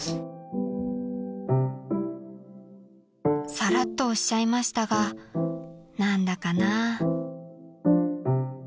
［さらっとおっしゃいましたが何だかなぁ］